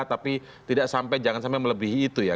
tapi tidak sampai jangan sampai melebihi itu ya